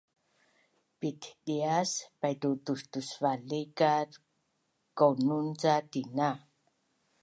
Pitdias paitu tustusvali ka kaunun ca tina